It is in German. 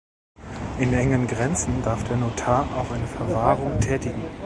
In engen Grenzen darf der Notar auch eine Verwahrung tätigen.